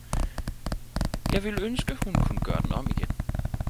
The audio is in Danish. jeg ville ønske, hun kunne gøre den om igen!